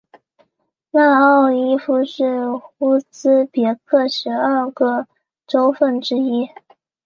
纳沃伊州是乌兹别克十二个州份之一。